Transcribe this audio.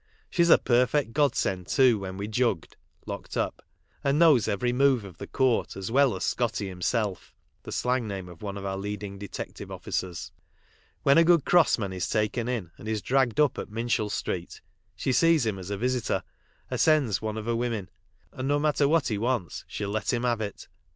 She's a perfect godsend too when we're jugged (locked up), and. knows every move of the court as well as Scotty himself (the slang name of one of our leading detective ofiicers). When a good cross man is taken in, and is dragged up at Minshull street, she sees him as a visitor, or sends one of her women, and no matter what he wants she'll let him have it.